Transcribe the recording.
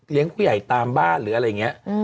เลี้ยงผู้ใหญ่ตามบ้านหรืออะไรอย่างเงี้ย